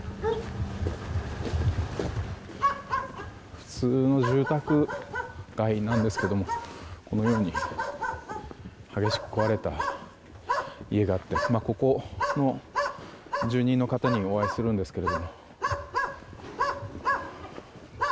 普通の住宅街なんですけどこのように激しく壊れた家があってここの住人の方にお会いするんですけど。